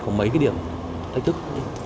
có mấy điểm thách thức